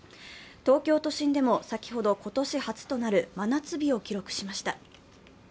東京都心でも先ほど今年初となる真夏日を記録しました。